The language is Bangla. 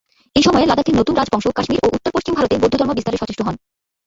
এই সময়ে লাদাখের নতুন রাজবংশ কাশ্মীর ও উত্তর পশ্চিম ভারতে বৌদ্ধ ধর্ম বিস্তারে সচেষ্ট হন।